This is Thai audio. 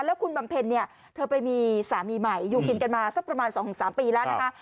แล้วคุณบำเพ็ญเนี่ยเธอไปมีสามีใหม่อยู่กินกันมาสักประมาณ๒๓ปีแล้วนะคะ